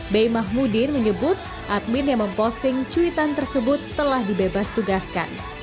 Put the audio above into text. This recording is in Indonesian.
bey mahmudin menyebut admin yang memposting cuitan tersebut telah dibebas tugaskan